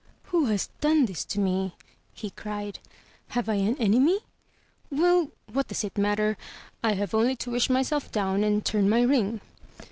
"Who has done this to me?'' he cried. "Have I an enemy? Well, what does it matter? I have only to wish myself down and turn my ring.'